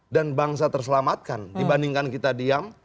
dan bangsa terselamatkan dibandingkan kita diam